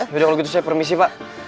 beda kalau gitu saya permisi pak